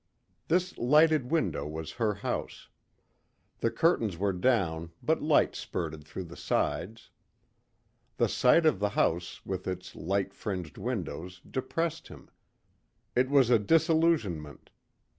This lighted window was her house. The curtains were down but light spurted through the sides. The sight of the house with its light fringed windows depressed him. It was a disillusionment.